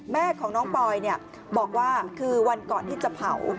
แม่ของน้องปอยบอกว่าคือวันก่อนที่จะเผา